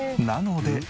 なので。